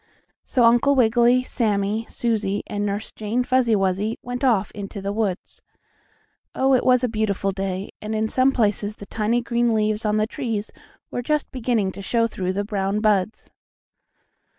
So Uncle Wiggily, Sammie, Susie and Nurse Jane Fuzzy Wuzzy went off into the woods. Oh, it was a beautiful day, and in some places the tiny green leaves on the trees were just beginning to show through the brown buds.